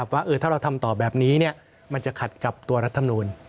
ว่าถ้าเราทำต่อแบบนี้มันจะขัดกับตัวรัฐมนูล